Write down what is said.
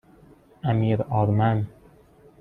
امیرآرمن